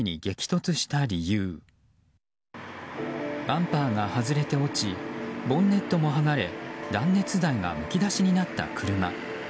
バンパーが外れて落ちボンネットも剥がれ断熱材がむき出しになった車。